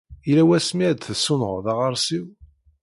Yella wasmi ay d-tessunɣeḍ aɣersiw?